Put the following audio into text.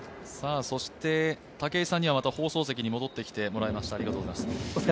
武井さんには、放送席にまた戻ってきてもらいました。